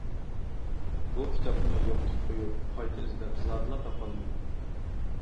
بۇ كىتابنى يوقىتىپ قويۇپ، قايتا ئىزدەپ زادىلا تاپالمىدىم.